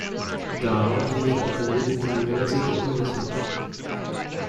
Dahl briefly attended the University of Minnesota.